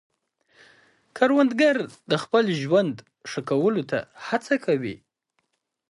کروندګر د خپل ژوند ښه کولو ته هڅه کوي